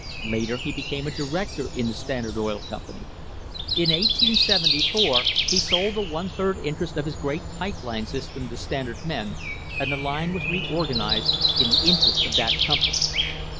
Later he became a director in the Standard Oil Company. In 1874 he sold a one third interest of his great pipe line system to Standard men, and the line was reorganised in the interests of that company.